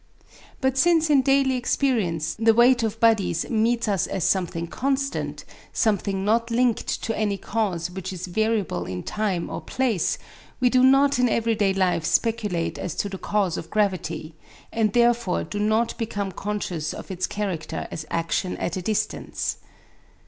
But since in daily experience the weight of bodies meets us as something constant, something not linked to any cause which is variable in time or place, we do not in everyday life speculate as to the cause of gravity, and therefore do not become conscious of its character as action at a distance.